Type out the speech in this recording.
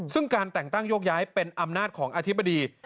ซึ่งการแต่งตั้งโยกย้ายเป็นอำนาจของอธิบดี